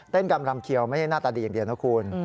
กำรำเขียวไม่ใช่หน้าตาดีอย่างเดียวนะคุณ